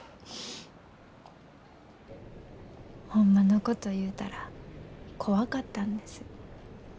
ホンマのこと言うたら怖かったんです。